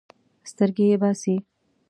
سترګې یې باسي.